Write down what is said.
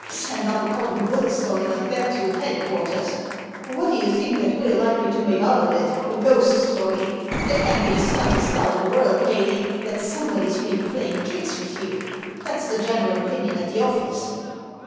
" Send up a cock and bull story like that to head quarters! What do you think that we're likely to make out of it ? A ghost story ! There can't be the slightest doubt in the world, Paley, that somebody's been playing tricks with you — that's the general opinion at the office."